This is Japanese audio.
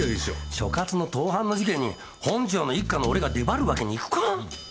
所轄の盗犯の事件に本庁の一課の俺が出張るわけにいくか？